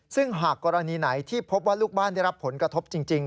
ซึ่งหากกรณีไหนที่พบว่าลูกบ้านได้รับผลกระทบจริง